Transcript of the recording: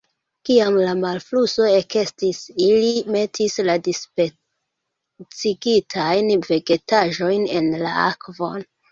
Kiam la malfluso ekestis, ili metis la dispecigitajn vegetaĵojn en la akvon.